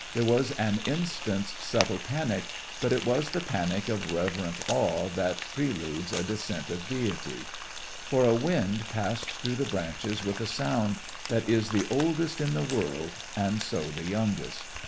There was an instant's subtle panic, but it was the panic of reverent awe that preludes a descent of deity. For a wind passed through the branches with a sound that is the oldest in the world and so the youngest.